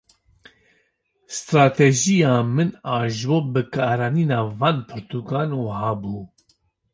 Stratejiya min a ji bo bikaranîna van pirtûkan wiha bû.